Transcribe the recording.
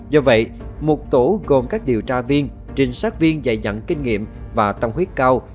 do vậy một tổ gồm các điều tra viên trinh sát viên dạy dặn kinh nghiệm và tăng huyết cao